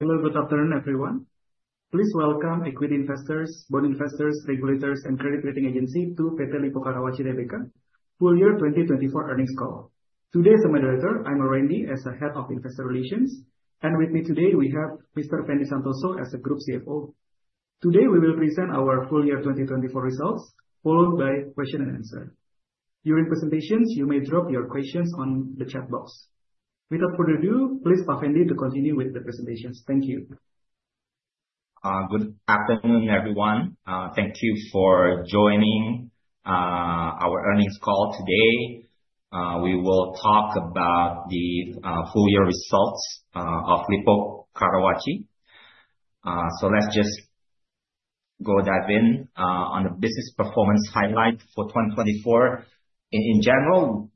Hello, good afternoon everyone. Please welcome equity investors, bond investors, regulators, and credit rating agency to PT Lippo Karawaci Tbk full year 2024 earnings call. Today as a moderator, I'm Randi as Head of Investor Relations, and with me today we have Mr. Fendi Santoso as Group CFO. Today we will present our full year 2024 results, followed by question and answer. During presentations, you may drop your questions on the chat box. Without further ado, please pardon me to continue with the presentations. Thank you. Good afternoon everyone. Thank you for joining our earnings call today. We will talk about the full year results of Lippo Karawaci. Let's just go dive in on the business performance highlight for 2024. In general,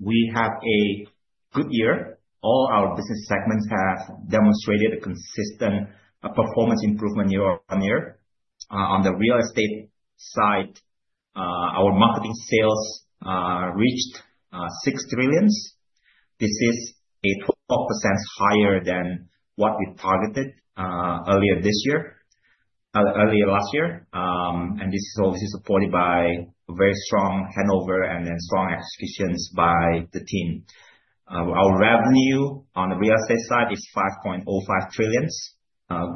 we have a good year. All our business segments have demonstrated a consistent performance improvement year-on-year. On the real estate side, our marketing sales reached 6 trillion. This is 12% higher than what we targeted earlier this year, earlier last year. This is obviously supported by a very strong handover and then strong executions by the team. Our revenue on the real estate side is 5.05 trillion,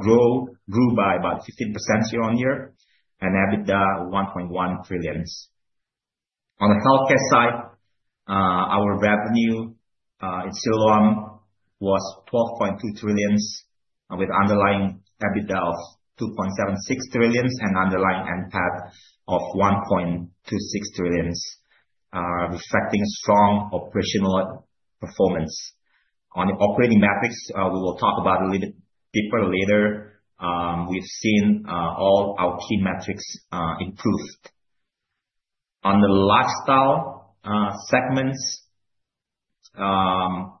grew by about 15% year-on-year, and EBITDA 1.1 trillion. On the healthcare side, our revenue in Siloam was 12.2 trillion, with underlying EBITDA of 2.76 trillion and underlying NPAT of 1.26 trillion, reflecting strong operational performance. On the operating metrics, we will talk about a little bit deeper later. We've seen all our key metrics improved. On the lifestyle segments, our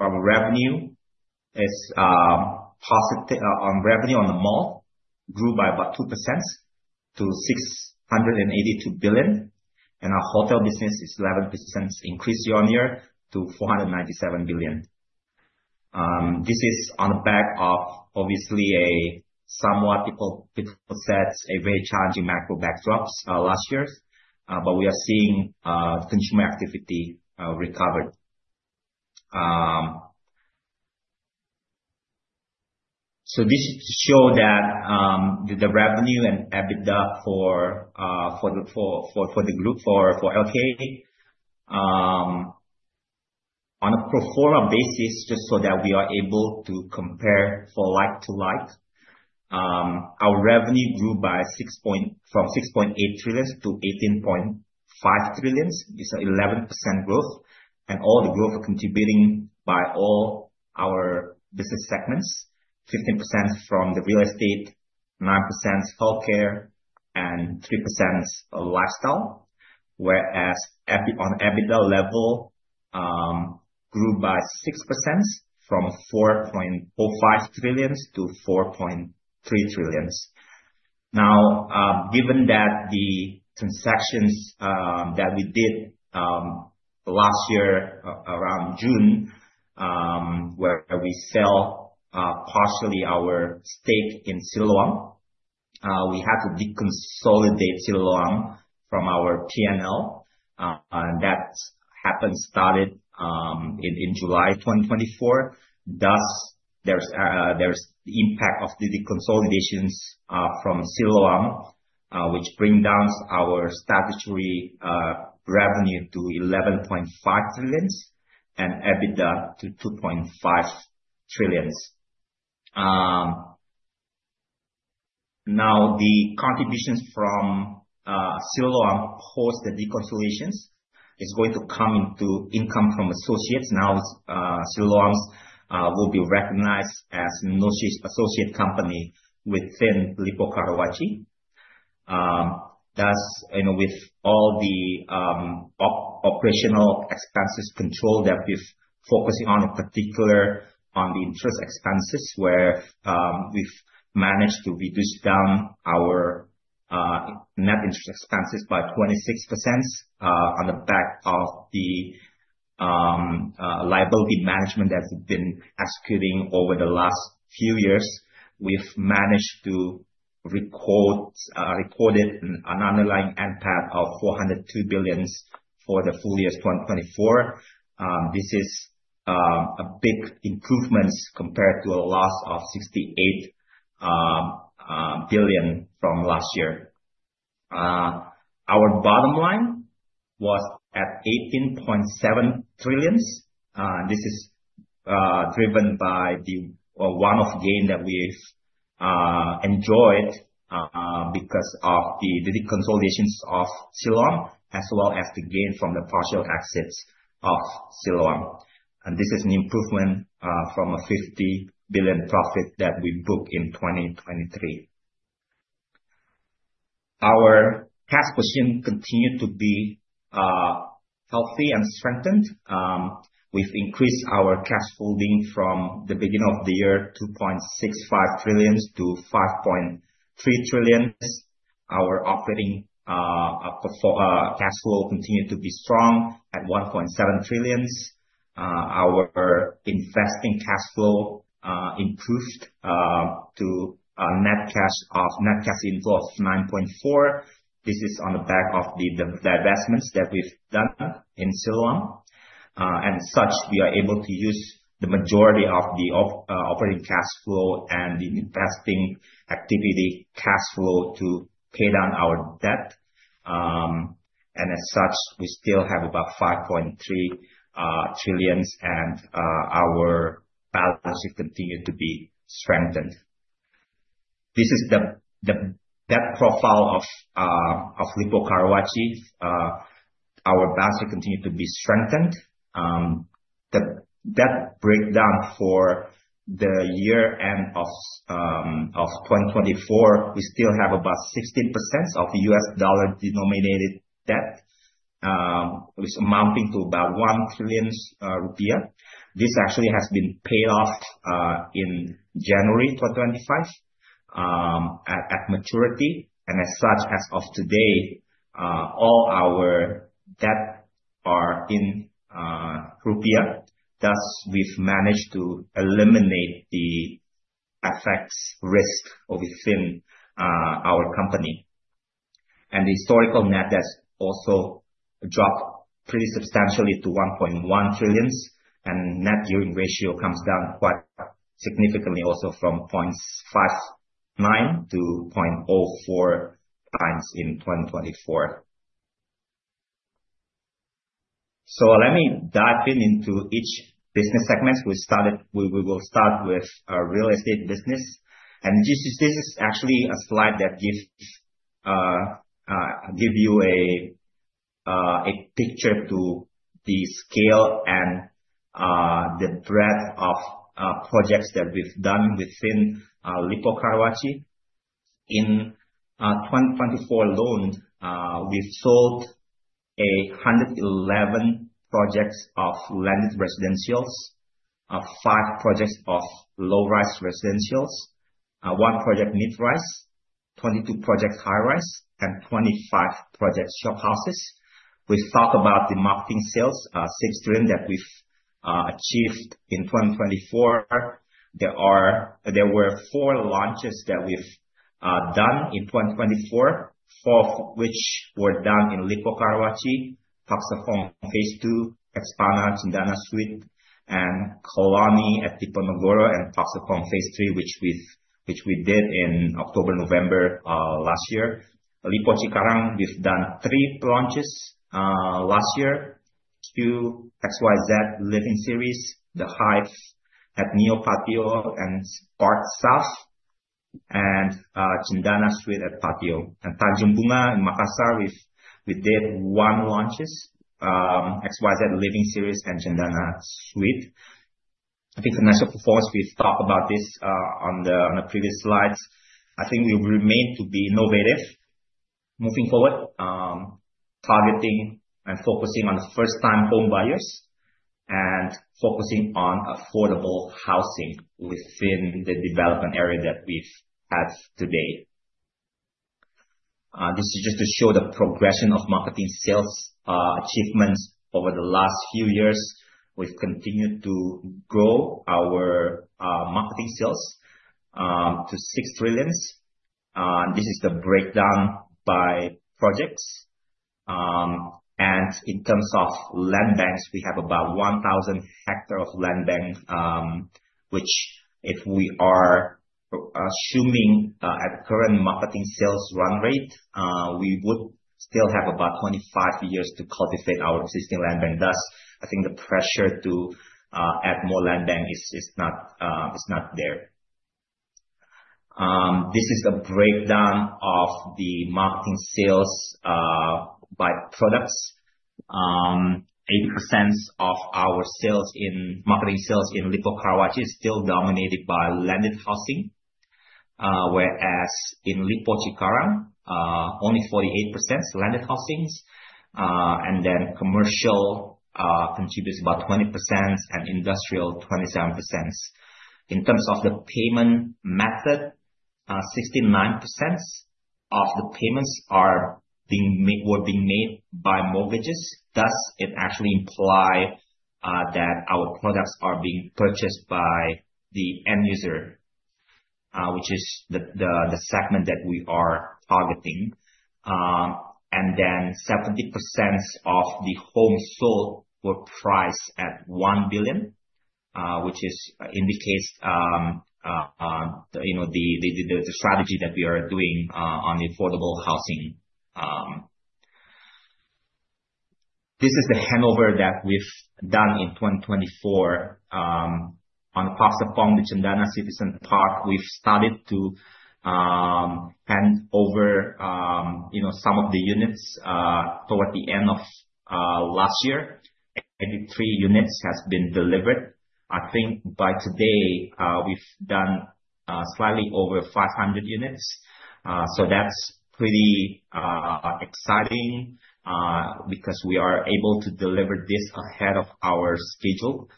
revenue is positive on revenue on the mall, grew by about 2% to 682 billion, and our hotel business is 11% increased year-on-year to 497 billion. This is on the back of obviously a somewhat people said a very challenging macro backdrop last year, but we are seeing consumer activity recovered. This shows that the revenue and EBITDA for the group for LK on a pro forma basis, just so that we are able to compare for like to like, our revenue grew by 6.8 trillion-18.5 trillion. It's an 11% growth, and all the growth contributing by all our business segments, 15% from the real estate, 9% healthcare, and 3% lifestyle, whereas on EBITDA level, grew by 6% from 4.05 trillion to 4.3 trillion. Now, given that the transactions that we did last year around June, where we sell partially our stake in Siloam, we had to deconsolidate Siloam from our P&L. That happened, started in July 2024. Thus, there's the impact of the deconsolidations from Siloam, which brings down our statutory revenue to 11.5 trillion and EBITDA to 2.5 trillion. Now, the contributions from Siloam post the deconsolidations is going to come into income from associates. Now, Siloam will be recognized as an associate company within Lippo Karawaci. Thus, with all the operational expenses control that we've focused on, in particular on the interest expenses, where we've managed to reduce down our net interest expenses by 26% on the back of the liability management that we've been executing over the last few years, we've managed to record it an underlying NPAT of 402 billion for the full year 2024. This is a big improvement compared to a loss of 68 billion from last year. Our bottom line was at 18.7 trillion. This is driven by the one-off gain that we've enjoyed because of the deconsolidations of Siloam, as well as the gain from the partial exits of Siloam. This is an improvement from a 50 billion profit that we booked in 2023. Our cash position continued to be healthy and strengthened. We've increased our cash holding from the beginning of the year 2.65 trillion-5.3 trillion. Our operating cash flow continued to be strong at 1.7 trillion. Our investing cash flow improved to a net cash inflow of 9.4 trillion. This is on the back of the divestments that we've done in Siloam. As such, we are able to use the majority of the operating cash flow and the investing activity cash flow to pay down our debt. As such, we still have about 5.3 trillion, and our balance sheet continued to be strengthened. This is the debt profile of Lippo Karawaci. Our balance sheet continued to be strengthened. The debt breakdown for the year end of 2024, we still have about 16% of U.S. dollar denominated debt, which is amounting to about 1 trillion rupiah. This actually has been paid off in January 2025 at maturity. As such, as of today, all our debt are in rupiah. Thus, we've managed to eliminate the FX risk within our company. The historical net has also dropped pretty substantially to 1.1 trillion, and net year in ratio comes down quite significantly also from 0.59x-0.04x in 2024. Let me dive in into each business segment. We will start with our real estate business. This is actually a slide that gives you a picture to the scale and the breadth of projects that we've done within Lippo Karawaci. In 2024 alone, we've sold 111 projects of landed residentials, five projects of low-rise residentials, one project mid-rise, 22 projects high-rise, and 25 projects shophouses. We talk about the marketing sales, 6 trillion that we've achieved in 2024. There were four launches that we've done in 2024, four of which were done in Lippo Karawaci, Park Serpong phase II, Expana Cendana Suite, and Colony at Diponegoro, and Park Serpong phase III, which we did in October, November last year. Lippo Cikarang, we've done three launches last year, two XYZ Livin Series, the Hive at Neo Patio and Park South, and Cendana Suite at Patio. Tanjung Bunga in Makassar, we did one launch, XYZ Livin Series and Cendana Suite. I think financial performance, we've talked about this on the previous slides. I think we remain to be innovative moving forward, targeting and focusing on first-time home buyers and focusing on affordable housing within the development area that we've had today. This is just to show the progression of marketing sales achievements over the last few years. We've continued to grow our marketing sales to 6 trillion. This is the breakdown by projects. In terms of land banks, we have about 1,000 ha of land bank, which if we are assuming at the current marketing sales run rate, we would still have about 25 years to cultivate our existing land bank. Thus, I think the pressure to add more land bank is not there. This is the breakdown of the marketing sales by products. 80% of our marketing sales in Lippo Karawaci is still dominated by landed housing, whereas in Lippo Cikarang, only 48% landed housings. Commercial contributes about 20% and industrial 27%. In terms of the payment method, 69% of the payments were being made by mortgages. Thus, it actually implies that our products are being purchased by the end user, which is the segment that we are targeting. Then 70% of the homes sold were priced at 1 billion, which indicates the strategy that we are doing on the affordable housing. This is the handover that we've done in 2024. On Park Serpong, the Cendana Citizen Park, we've started to hand over some of the units toward the end of last year. 83 units have been delivered. I think by today, we've done slightly over 500 units. That's pretty exciting because we are able to deliver this ahead of our schedule.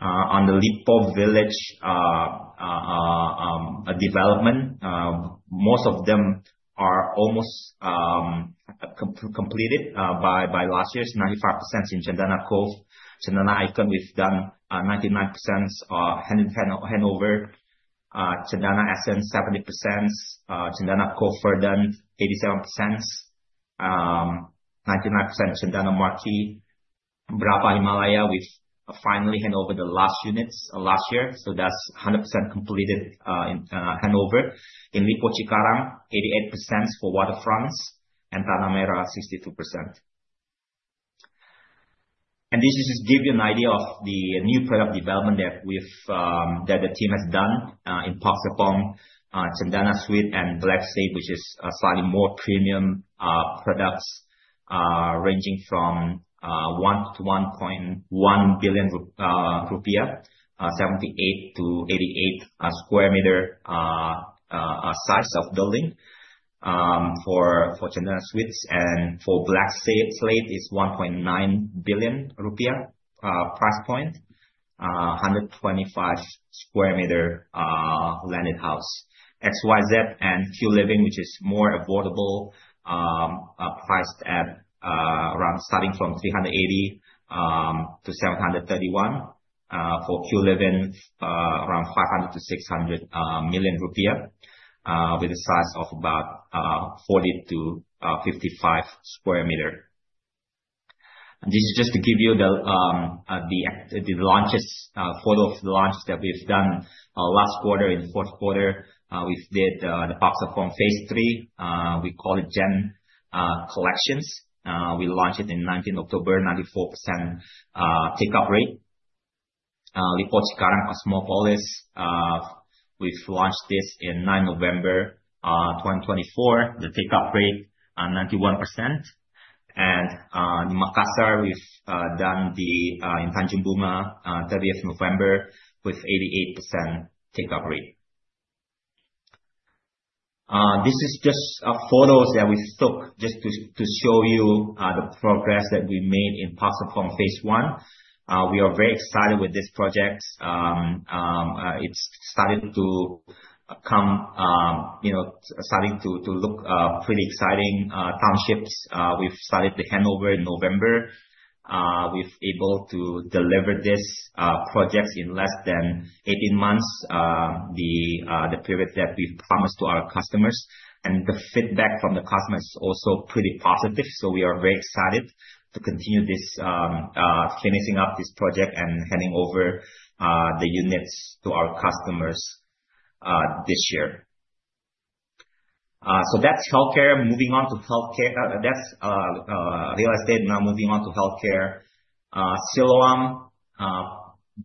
On the Lippo Village development, most of them are almost completed by last year. It's 95% in Cendana Cove. Cendana Icon, we've done 99% handover. Cendana Essence, 70%. Cendana Verdant, 87%. 99% Cendana Marq. Brava Himalaya, we've finally handed over the last units last year. That's 100% completed handover. In Lippo Cikarang, 88% for Waterfront and Tanah Merah, 62%. This just gives you an idea of the new product development that the team has done in Park Serpong, Cendana Suite, and Blackslate Series, which is slightly more premium products ranging from IDR 1.1 billion, 78 sq m-88 sq m size of building for Cendana Suite. For Blackslate Series, it is IDR 1.9 billion price point, 125 sq m landed house. XYZ and Q Livin, which is more affordable, priced at around starting from 380 million to 731 million. For Q Livin, around 500 milion-IDR 600 million with a size of about 40 sq m-55 sq m. This is just to give you the launches, photo of the launches that we've done last quarter and fourth quarter. We've did the Park Serpong phase III. We call it Zen Collections. We launched it in 19 October, 94% take-up rate. Lippo Cikarang, Cosmopolis, we've launched this in 9 November 2024. The take-up rate is 91%. In Makassar, we've done the in Tanjung Bunga, 30th November, with 88% take-up rate. This is just photos that we took just to show you the progress that we made in Park Serpong phase I. We are very excited with this project. It's starting to come, starting to look pretty exciting. Townships, we've started the handover in November. We've been able to deliver this project in less than 18 months, the period that we promised to our customers. The feedback from the customers is also pretty positive. We are very excited to continue finishing up this project and handing over the units to our customers this year. That's healthcare. Moving on to healthcare, that's real estate. Now moving on to healthcare. Siloam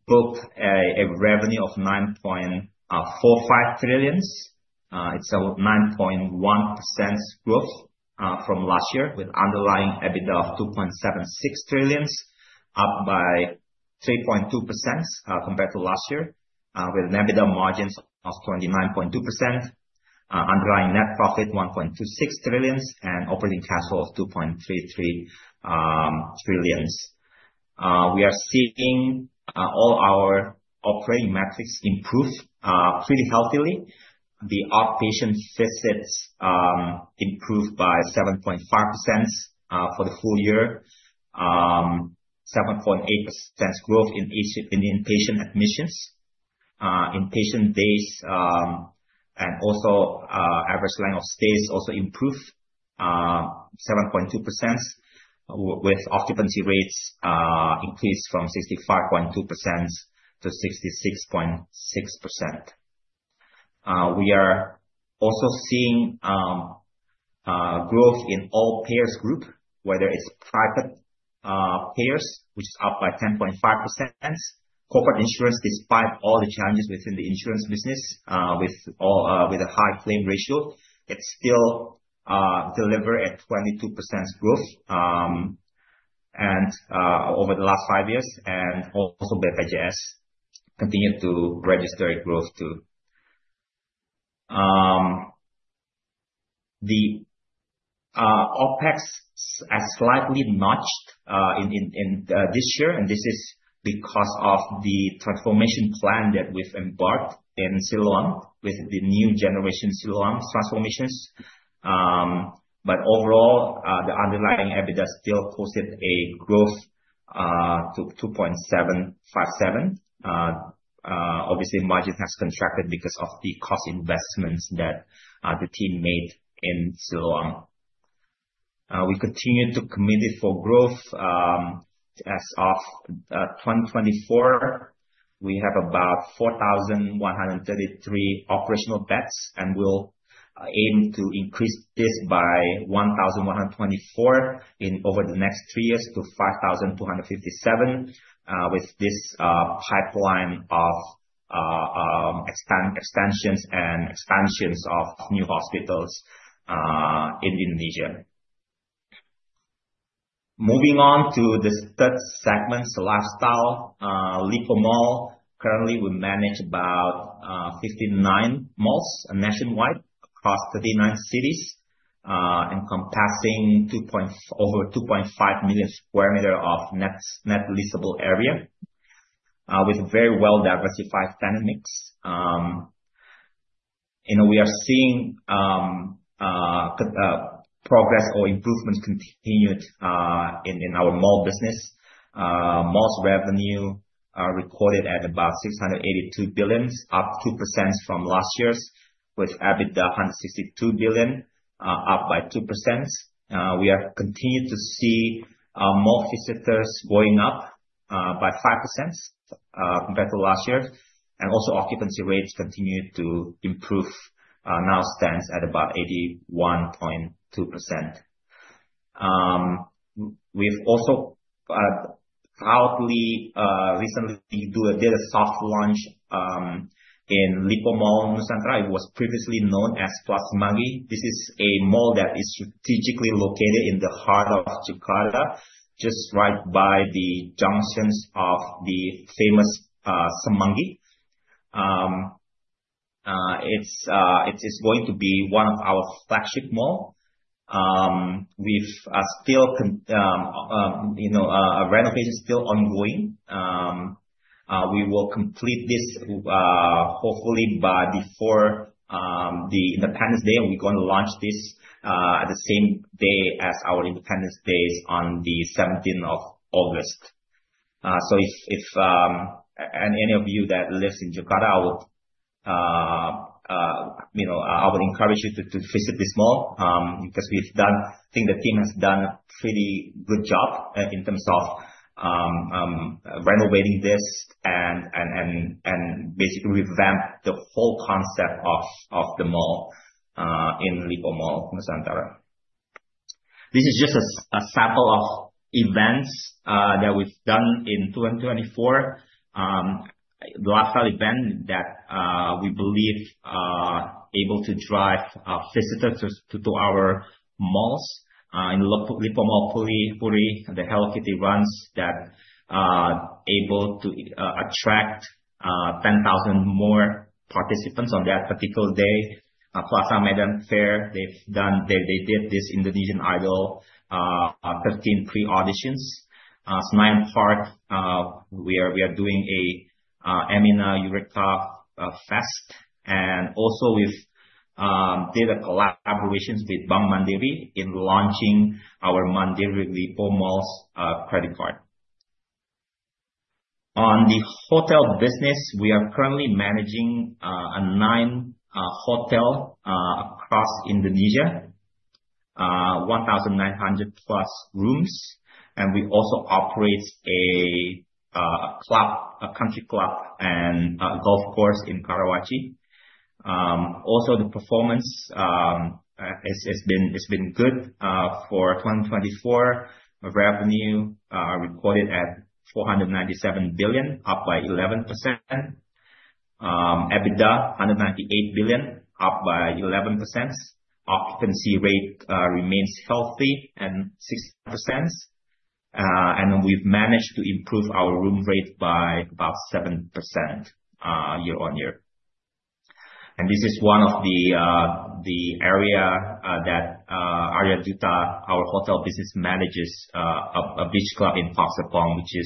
booked a revenue of 9.45 trillion. It's a 9.1% growth from last year with underlying EBITDA of 2.76 trillion, up by 3.2% compared to last year with an EBITDA margin of 29.2%, underlying net profit 1.26 trillion, and operating cash flow of 2.33 trillion. We are seeing all our operating metrics improve pretty healthily. The outpatient visits improved by 7.5% for the full year, 7.8% growth in inpatient admissions, inpatient days, and also average length of stays also improved 7.2% with occupancy rates increased from 65.2% to 66.6%. We are also seeing growth in all payers group, whether it's private payers, which is up by 10.5%. Corporate insurance, despite all the challenges within the insurance business, with a high claim ratio, it still delivered at 22% growth over the last five years, and also BPJS continued to register a growth too. The OpEx has slightly notched this year, and this is because of the transformation plan that we've embarked in Siloam with the new generation Siloam transformations. Overall, the underlying EBITDA still posted a growth to 2.757 billion. Obviously, margins have contracted because of the cost investments that the team made in Siloam. We continue to commit for growth. As of 2024, we have about 4,133 operational beds, and we'll aim to increase this by 1,124 over the next three years to 5,257 with this pipeline of extensions and expansions of new hospitals in Indonesia. Moving on to the third segment, lifestyle. Lippo Malls, currently we manage about 59 malls nationwide across 39 cities encompassing over 2.5 million sq m of net leasable area with very well-diversified tenant mix. We are seeing progress or improvement continued in our mall business. Malls revenue recorded at about 682 billion, up 2% from last year's with EBITDA 162 billion, up by 2%. We have continued to see mall visitors going up by 5% compared to last year. Also, occupancy rates continue to improve. Now stands at about 81.2%. We've also proudly recently did a soft launch in Lippo Mall Nusantara. It was previously known as Plaza Semanggi. This is a mall that is strategically located in the heart of Jakarta, just right by the junctions of the famous Semanggi. It's going to be one of our flagship malls. We have a renovation still ongoing. We will complete this hopefully by before the Independence Day. We're going to launch this at the same day as our Independence Day is on the 17th of August. If any of you that lives in Jakarta, I would encourage you to visit this mall because we've done, I think the team has done a pretty good job in terms of renovating this and basically revamp the whole concept of the mall in Lippo Mall Nusantara. This is just a sample of events that we've done in 2024. The lifestyle event that we believe is able to drive visitors to our malls in Lippo Mall Puri, the Hello Kitty Runs that are able to attract 10,000 more participants on that particular day. Plaza Medan Fair, they did this Indonesian Idol 13 pre-auditions. Senayan Park, we are doing an Emina Eureka Fest. Also, we've did a collaboration with Bank Mandiri in launching our Mandiri Lippo Malls credit card. On the hotel business, we are currently managing nine hotels across Indonesia, 1,900+ rooms. We also operate a country club and golf course in Karawaci. The performance has been good for 2024. Revenue recorded at 497 billion, up by 11%. EBITDA, 198 billion, up by 11%. Occupancy rate remains healthy at 6%. We have managed to improve our room rate by about 7% year-on-year. This is one of the areas that Aryaduta, our hotel business, manages—a beach club in Park Serpong, which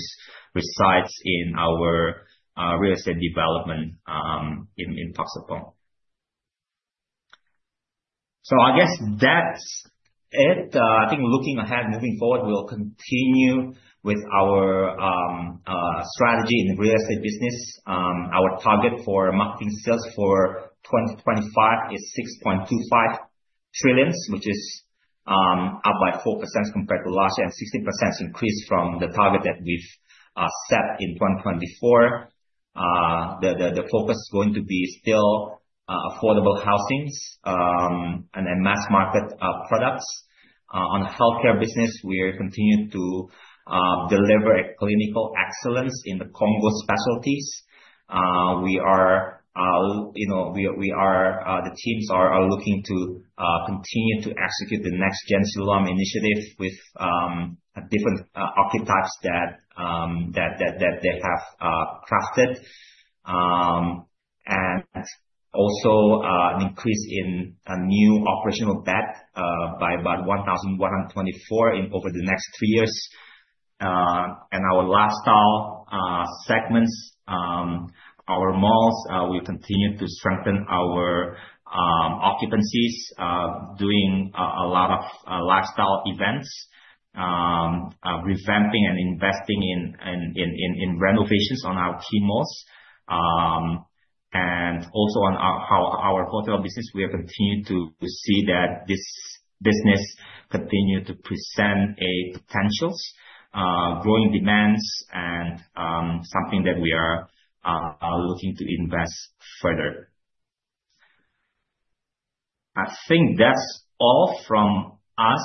resides in our real estate development in Park Serpong. I guess that's it. I think looking ahead, moving forward, we'll continue with our strategy in the real estate business. Our target for marketing sales for 2025 is 6.25 trillion, which is up by 4% compared to last year and a 16% increase from the target that we've set in 2024. The focus is going to be still affordable housing and mass market products. On the healthcare business, we continue to deliver clinical excellence in the oncology specialties. We are the teams are looking to continue to execute the next-gen Siloam initiative with different archetypes that they have crafted. Also, an increase in new operational bed by about 1,124 over the next three years. In our lifestyle segments, our malls, we continue to strengthen our occupancies, doing a lot of lifestyle events, revamping and investing in renovations on our key malls. Also, on our hotel business, we have continued to see that this business continues to present potentials, growing demands, and something that we are looking to invest further. I think that's all from us.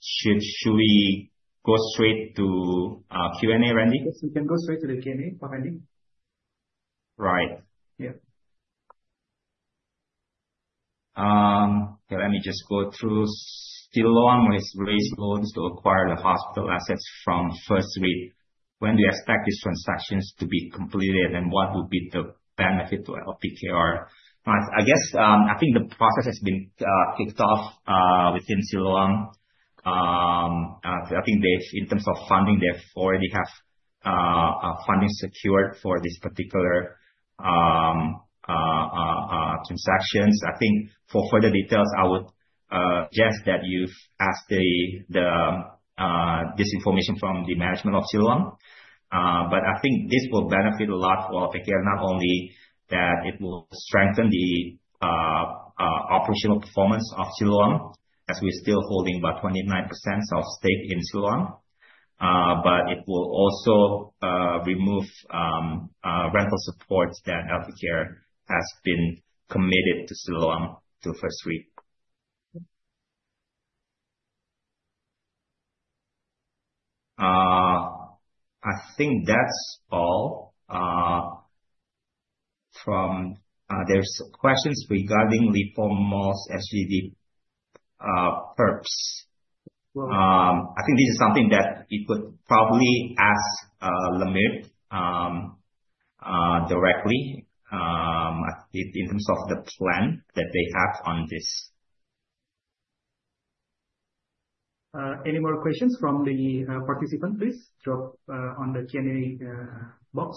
Should we go straight to Q&A, Randi? We can go straight to the Q&A for Fendi. Right. Yeah. Okay. Let me just go through. Siloam raised loans to acquire the hospital assets from First REIT. When do you expect these transactions to be completed, and what will be the benefit to LPKR? I guess I think the process has been kicked off within Siloam. I think in terms of funding, they already have funding secured for this particular transactions. I think for further details, I would suggest that you've asked this information from the management of Siloam. I think this will benefit a lot for LPKR, not only that it will strengthen the operational performance of Siloam, as we're still holding about 29% of stake in Siloam, but it will also remove rental support that LPKR has been committed to Siloam to First REIT. I think that's all. There's questions regarding Lippo Malls SGD perps. I think this is something that we could probably ask LMIR directly in terms of the plan that they have on this. Any more questions from the participants, please? Drop on the Q&A box.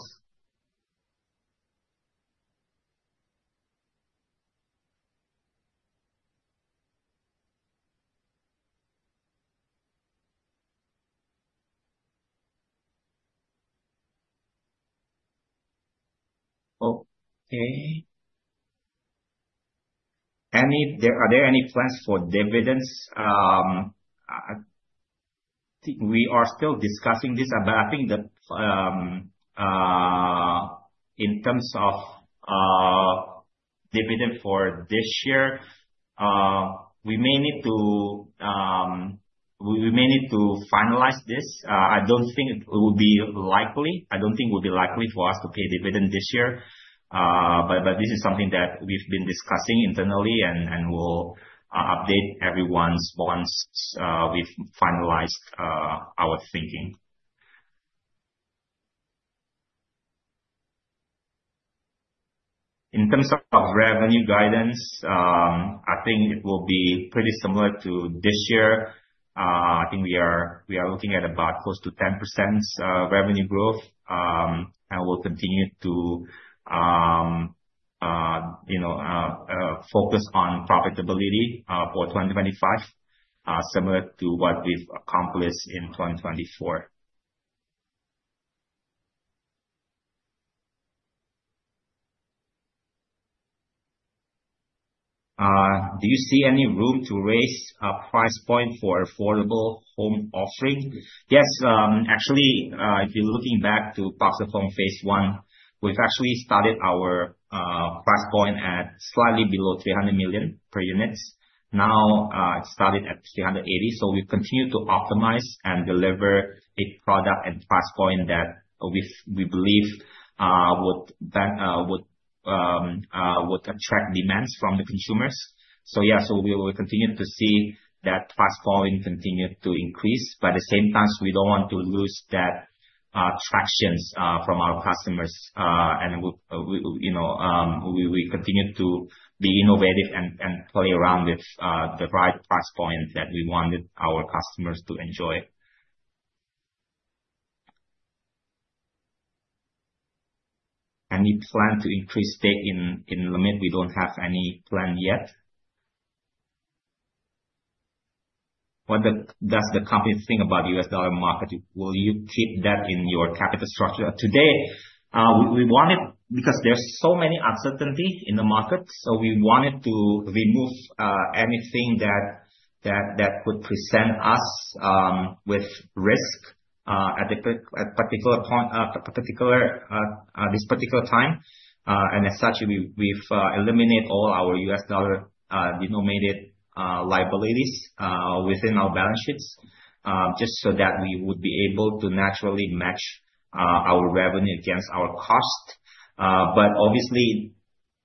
Okay. Are there any plans for dividends? I think we are still discussing this, but I think in terms of dividend for this year, we may need to finalize this. I do not think it will be likely. I do not think it will be likely for us to pay dividend this year. This is something that we have been discussing internally, and we will update everyone once we have finalized our thinking. In terms of revenue guidance, I think it will be pretty similar to this year. I think we are looking at about close to 10% revenue growth, and we will continue to focus on profitability for 2025, similar to what we have accomplished in 2024. Do you see any room to raise a price point for affordable home offering? Yes. Actually, if you are looking back to Park Serpong, we have actually started our price point at slightly below 300 million per unit. Now it started at 380. We continue to optimize and deliver a product and price point that we believe would attract demands from the consumers. Yeah, we will continue to see that price point continue to increase. At the same time, we do not want to lose that traction from our customers. We continue to be innovative and play around with the right price point that we wanted our customers to enjoy. Any plan to increase stake in LMIR? We do not have any plan yet. What does the company think about the U.S. dollar market? Will you keep that in your capital structure? Today, we want it because there are so many uncertainties in the market. We wanted to remove anything that could present us with risk at this particular time. As such, we've eliminated all our U.S. dollar denominated liabilities within our balance sheets just so that we would be able to naturally match our revenue against our cost. Obviously,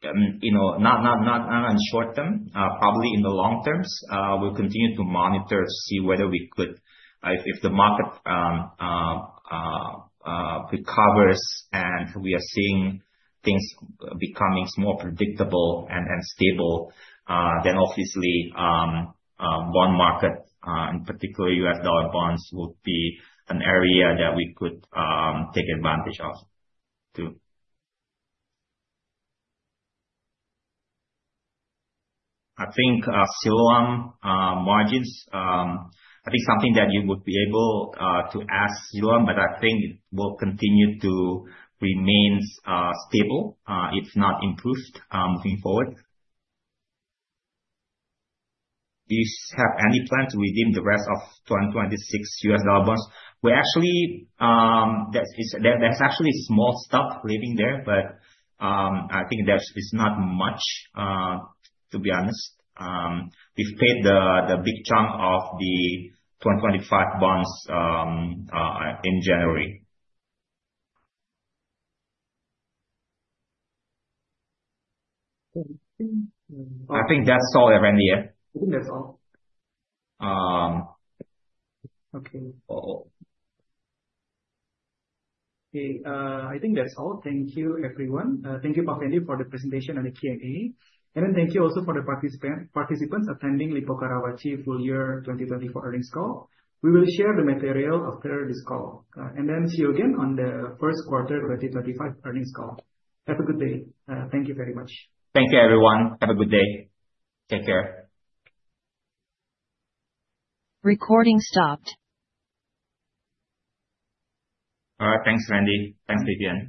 not in short term. Probably in the long term, we'll continue to monitor to see whether we could, if the market recovers and we are seeing things becoming more predictable and stable, then obviously bond market, in particular U.S. dollar bonds, would be an area that we could take advantage of too. I think Siloam margins, I think something that you would be able to ask Siloam, but I think it will continue to remain stable if not improved moving forward. Do you have any plans to redeem the rest of 2026 U.S. dollar bonds? There's actually small stuff living there, but I think there's not much, to be honest. We've paid the big chunk of the 2025 bonds in January. I think that's all, Randi. I think that's all. Okay. I think that's all. Thank you, everyone. Thank you, Fendi, for the presentation and the Q&A. Thank you also for the participants attending Lippo Karawaci full year 2024 earnings call. We will share the material after this call. See you again on the first quarter 2025 earnings call. Have a good day. Thank you very much. Thank you, everyone. Have a good day. Take care. Recording stopped. All right. Thanks, Randi. Thanks again.